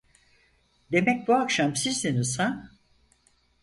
Demek bu akşam sizdiniz ha?